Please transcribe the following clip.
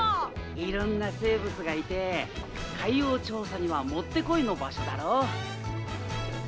いろんな生物がいて海洋調査にはもってこいの場所だろ？